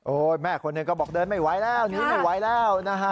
แม่คนหนึ่งก็บอกเดินไม่ไหวแล้วหนีไม่ไหวแล้วนะฮะ